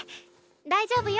大丈夫よ